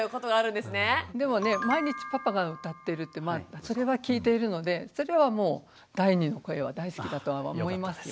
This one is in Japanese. でもね毎日パパが歌ってるってそれは聞いているのでそれはもう第２の声は大好きだとは思いますよ。